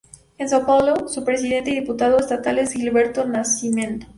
En São Paulo, su presidente y diputado estatal es Gilberto Nascimento.